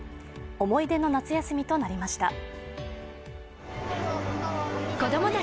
思い出の夏休みとなりました。